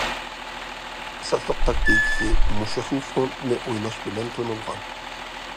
ئاساسلىق تاكتىكىسى مۇشۇ خىل فوندنى ئويناش بىلەن تونۇلغان.